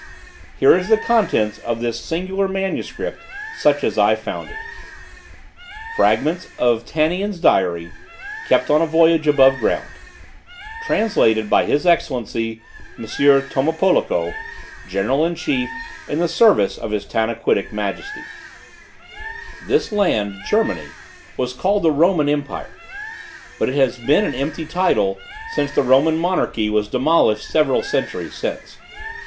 Here is the contents of this singular manuscript, such as I found it: "_Fragments of Tanian's Diary, kept on a Voyage above ground, Translated by his Excellency, M. Tomopoloko, General in chief, in the Service of his Tanaquitic majesty._" "This land (Germany) was called the Roman empire; but it has been an empty title, since the Roman monarchy was demolished several centuries since.